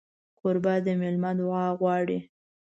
کوربه د مېلمه دعا غواړي.